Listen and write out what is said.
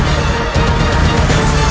ketika kanda menang kanda menang